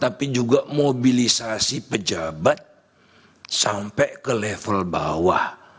tapi juga mobilisasi pejabat sampai ke level bawah